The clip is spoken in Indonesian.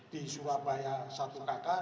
di surabaya satu kakak